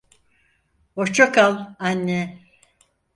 Hoşça kal, anne.